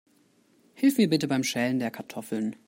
Hilf mir bitte beim Schälen der Kartoffeln.